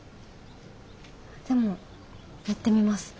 でもやってみます。